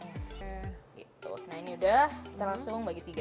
nah ini udah kita langsung bagi tiga